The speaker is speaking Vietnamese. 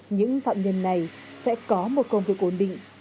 những phạm nhân này sẽ có một công việc ổn định